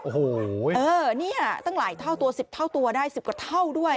โอ้โหนี่ตั้งหลายเท่าตัว๑๐เท่าตัวได้๑๐กว่าเท่าด้วย